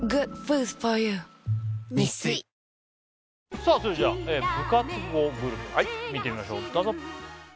さあそれじゃ部活後グルメ見てみましょうどうぞ！